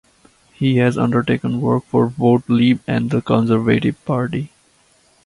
He has undertaken work for Vote Leave and the Conservative Party.